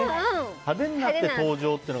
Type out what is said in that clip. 派手になって登場というのは。